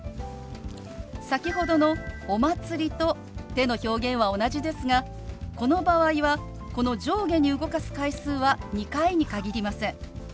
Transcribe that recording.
先ほどの「お祭り」と手の表現は同じですがこの場合はこの上下に動かす回数は２回に限りません。